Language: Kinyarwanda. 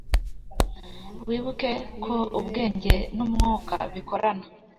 Wibuke ko ubwenge n’umwuka bikorana,